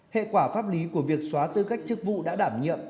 hệ quả pháp lý của việc xóa tư cách chức vụ đã đảm nhiệm